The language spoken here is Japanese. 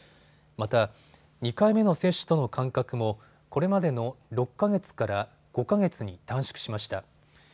また、２回目の接種との間隔もこれまでの６か月から５か月に短縮しました。